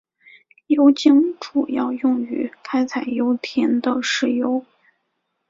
油井主要用于开采油田的石油。